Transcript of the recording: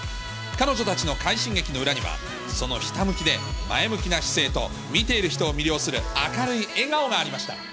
彼女たちの快進撃の裏には、そのひたむきで前向きな姿勢と、見ている人を魅了する明るい笑顔がありました。